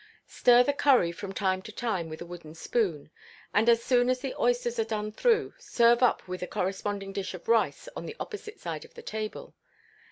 Stir the curry from time to time with a wooden spoon, and as soon as the oysters are done enough, serve it up with a corresponding dish of rice on the opposite side of the table.